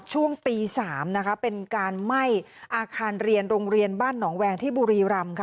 ช่วงตี๓นะคะเป็นการไหม้อาคารเรียนโรงเรียนบ้านหนองแวงที่บุรีรำค่ะ